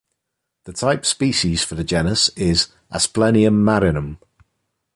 The type species for the genus is "Asplenium marinum".